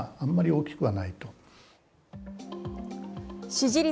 支持率